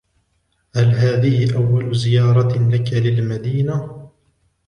هل هذه أول زيارة لك للمدينة ؟